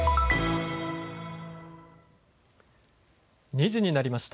２時になりました。